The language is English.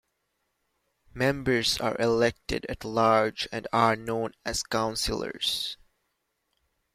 Members are elected at large and are known as Councillors.